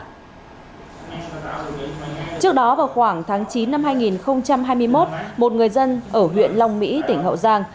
trước đó vào khoảng tháng chín năm hai nghìn hai mươi một một người dân ở huyện long mỹ tỉnh hậu giang